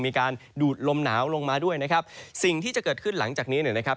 มีการดูดลมหนาวลงมาด้วยนะครับสิ่งที่จะเกิดขึ้นหลังจากนี้เนี่ยนะครับ